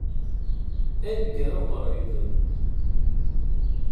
A nnger uqriḍ!